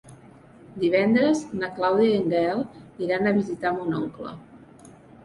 Divendres na Clàudia i en Gaël iran a visitar mon oncle.